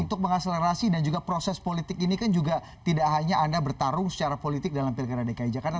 untuk mengakselerasi dan juga proses politik ini kan juga tidak hanya anda bertarung secara politik dalam pilkada dki jakarta